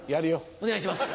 お願いします。